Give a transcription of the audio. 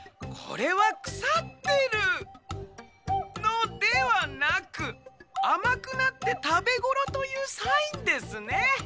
これはくさってるのではなくあまくなってたべごろというサインですね」。